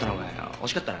惜しかったな。